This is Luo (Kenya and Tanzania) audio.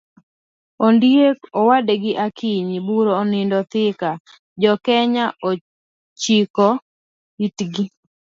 ondiek owadgi akinyi bura onindo thika, jokenya ochiko itgi